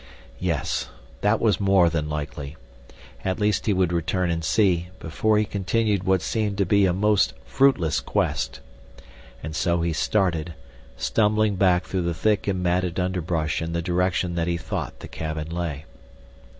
Yes, that was more than likely. At least he would return and see, before he continued what seemed to be a most fruitless quest. And so he started, stumbling back through the thick and matted underbrush in the direction that he thought the cabin lay.